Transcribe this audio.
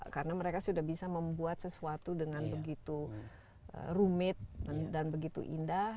karena mereka sudah bisa membuat sesuatu dengan begitu rumit dan begitu indah